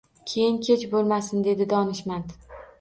Keyin kech bo`lmasin, dedi donishmand